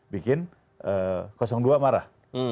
bikin dua marah